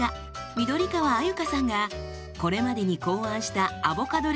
緑川鮎香さんがこれまでに考案したアボカドレシピ